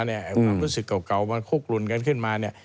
ความรู้สึกเก่ามันคุกรุนกันขึ้นมา